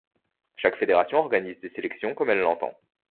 Chaque fédération organise des sélections comme elle l'entend.